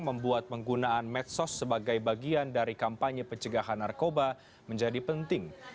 membuat penggunaan medsos sebagai bagian dari kampanye pencegahan narkoba menjadi penting